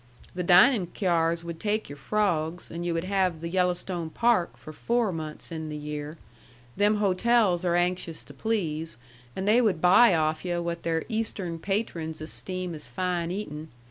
The dining cyars would take your frawgs, and yu' would have the Yellowstone Park for four months in the year. Them hotels are anxious to please, an' they would buy off yu' what their Eastern patrons esteem as fine eatin'.